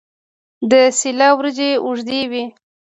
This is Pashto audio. د سیله وریجې اوږدې وي.